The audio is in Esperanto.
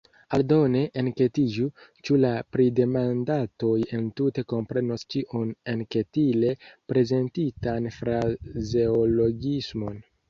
Aldone enketiĝu, ĉu la pridemandatoj entute komprenos ĉiun enketile prezentitan frazeologismon.